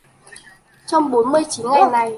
trong bốn mươi chín ngày này